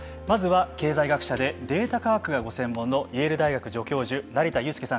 まずは経済学者でデータ科学がご専門のイェール大学助教授